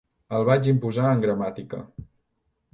El vaig imposar en gramàtica.